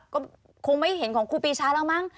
ก็คงไม่เห็นของครูปีชาแล้วมั้ง